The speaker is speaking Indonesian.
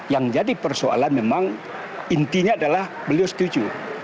yang jadi persoalan memang intinya adalah beliau setuju